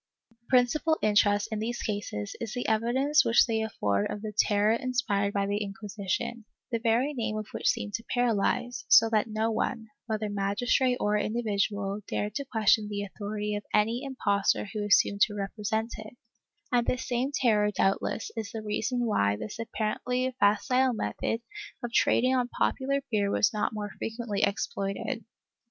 ^ The principal interest in these cases is the evidence which they afford of the terror inspired by the Inquisition, the very name of which seemed to paralyze, so that no one, whether magistrate or individual, dared to question the authority of any impostor who assumed to represent it, and this same terror doubtless is the reason why this apparently facile method of trading on popular fear was not more frequently exploited.